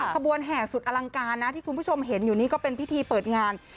ขบวนแห่สุดอลังการนะที่คุณผู้ชมเห็นอยู่นี่ก็เป็นพิธีเปิดงาน